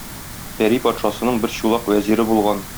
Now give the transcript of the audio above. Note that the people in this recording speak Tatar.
Пәри патшасының бер Чулак вәзире булган.